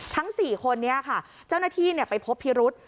ทั้ง๔คนนี้ค่ะเจ้าหน้าที่ไปพบพิรุษ